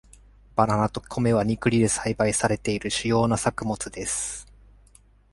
バナナと米はニクリで栽培されている主要な作物です。